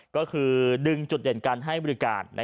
ก็คือดึงจุดเด่นการให้บริการ